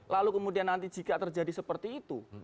lalu kemudian nanti jika terjadi seperti itu